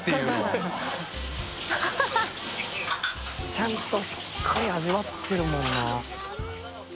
ちゃんとしっかり味わってるもんな。